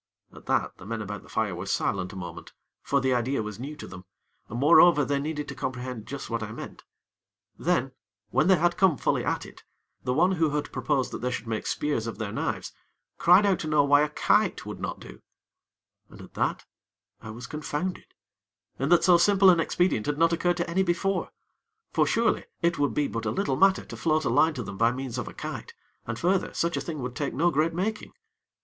At that, the men about the fire were silent a moment; for the idea was new to them, and moreover they needed to comprehend just what I meant. Then, when they had come fully at it, the one who had proposed that they should make spears of their knives, cried out to know why a kite would not do, and at that I was confounded, in that so simple an expedient had not occurred to any before; for, surely, it would be but a little matter to float a line to them by means of a kite, and, further, such a thing would take no great making.